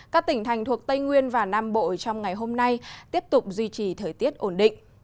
các tỉnh thành thuộc tây nguyên và nam bộ trong ngày hôm nay tiếp tục duy trì thời tiết ổn định